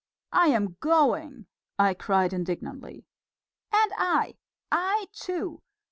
"I am going!" I cried indignantly. "And I! I too!